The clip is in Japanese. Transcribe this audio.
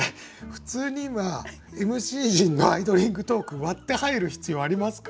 普通に今ＭＣ陣のアイドリングトーク割って入る必要ありますか？